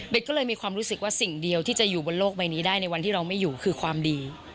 ก็เลยมีความรู้สึกว่าสิ่งเดียวที่จะอยู่บนโลกใบนี้ได้ในวันที่เราไม่อยู่คือความดี